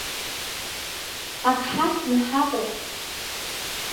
Ак ҳахьны ҳаҟоуп.